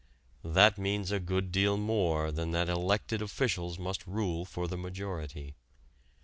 That means a good deal more than that elected officials must rule for the majority.